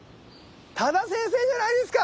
多田先生じゃないですか！